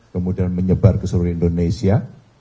kemudian menyebar ke seluruh indonesia